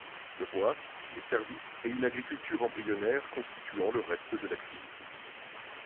Le bois, les services, et une agriculture embryonnaire constituant le reste de l'activité.